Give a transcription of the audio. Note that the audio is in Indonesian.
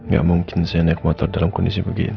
gak mungkin saya naik motor dalam kondisi begini